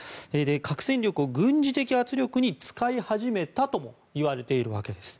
核戦力を軍事的圧力に使い始めたともいわれているわけです。